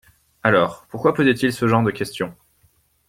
Alors, pourquoi posait-il ce genre de questions?